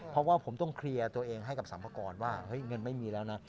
เพราะว่าผมต้องเคลียร์ตัวเองให้กับสรรพากรว่าเฮ้ยเงินไม่มีแล้วนะ